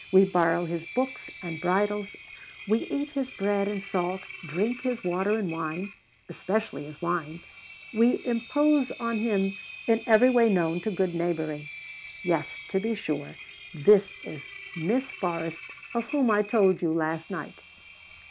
We borrow his books and bridles; we eat his bread and salt, drink his water and wine especially his wine we impose on him in every way known to good neighboring. Yes, to be sure, this is Miss Forrest of whom I told you last night."